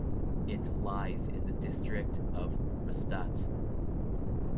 It lies in the district of Rastatt.